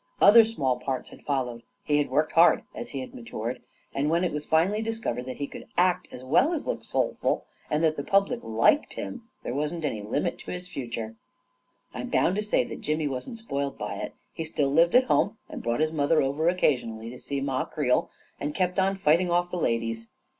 Other small parts had followed; he had worked hard, as he matured; and when it was finally dis covered that he could act as well as look soulful, and % A KING IN BABYLON 25 that the public liked him, there wasn't any limit to his future ! I'm bound to say that Jimmy wasn't spoiled by it f He still lived at home, and brought his mother over occasionally to see Ma Creel, and kept on fighting off the ladies.